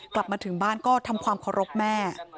กลับมาถึงบ้านก็ทำความเคารพแม่